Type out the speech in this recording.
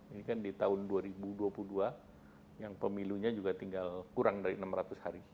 ini kan di tahun dua ribu dua puluh dua yang pemilunya juga tinggal kurang dari enam ratus hari